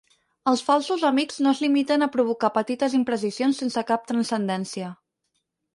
Els falsos amics no es limiten a provocar petites imprecisions sense cap transcendència.